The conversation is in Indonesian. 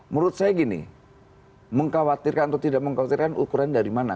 menurut saya gini mengkhawatirkan atau tidak mengkhawatirkan ukuran dari mana